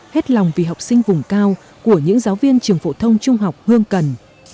hết lòng vì học sinh vùng cao của những giáo viên trường phổ thông trung học hương cần